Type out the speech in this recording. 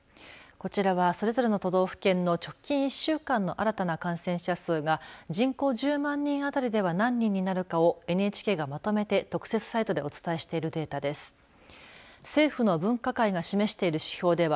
こちらは、それぞれの都道府県の直近１週間の新たな感染者数が人口１０万人あたりでは何人になるかをＮＨＫがまとめて特設サイトでお伝えしているデータです。